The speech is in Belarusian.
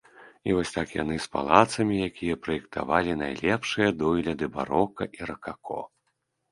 І вось так яны з палацамі, якія праектавалі найлепшыя дойліды барока і ракако.